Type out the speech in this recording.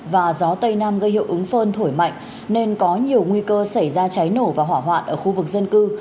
và gió tây nam gây hiệu ứng phơn thổi mạnh nên có nhiều nguy cơ xảy ra cháy nổ và hỏa hoạn ở khu vực dân cư